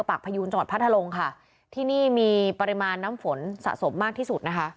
พยูนจังหวัดพัทธลุงค่ะที่นี่มีปริมาณน้ำฝนสะสมมากที่สุดนะคะ